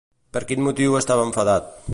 Per quin motiu estava enfadat?